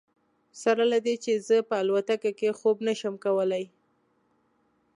سره له دې چې زه په الوتکه کې خوب نه شم کولی.